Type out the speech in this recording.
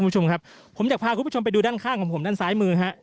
ผมดีจะพาไปด้านข้างด้านซ้ายมือ